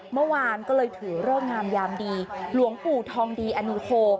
เมื่อวานก็เลยถือเลิกงามยามดีหลวงปู่ทองดีอนุโค